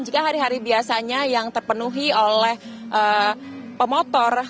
jika hari hari biasanya yang terpenuhi oleh pemotor